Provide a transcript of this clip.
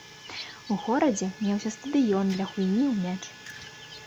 У горадзе меўся стадыён для гульні ў мяч.